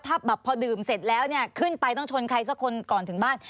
ถ้าแบบพอดื่มเสร็จแล้วเนี่ยขึ้นไปต้องชนใครสักคนก่อนถึงบ้าน